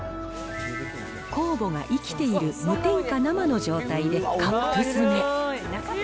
酵母が生きている無添加生の状態でパック詰め。